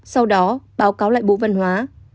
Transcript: sau đó báo cáo lại bộ văn hóa